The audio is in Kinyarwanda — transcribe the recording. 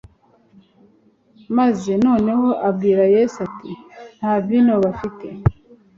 maze noneho abwira Yesu ati, “Nta vino bafite.”